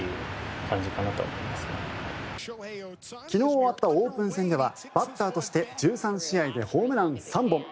昨日終わったオープン戦では、バッターとして１３試合でホームラン３本。